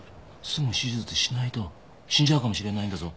すぐ手術しないと死んじゃうかもしれないんだぞ。